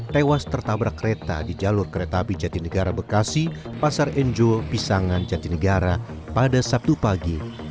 tewas tertabrak kereta di jalur kereta api jatinegara bekasi pasar enjo pisangan jatinegara pada sabtu pagi